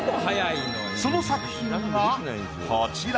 その作品がこちら。